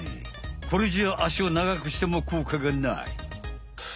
これじゃああしを長くしてもこうかがない。